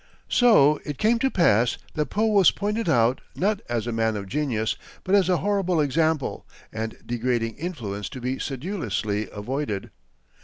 So it came to pass that Poe was pointed out, not as a man of genius, but as a horrible example and degrading influence to be sedulously avoided.